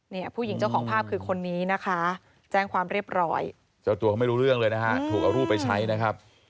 เนี่ยผู้หญิงเจ้าของภาพคือคนนี้นะคะแจ้งความเรียบร้อยเจ้าตัวเขาไม่รู้เรื่องเลยนะฮะถูกเอารูปไปใช้นะครับ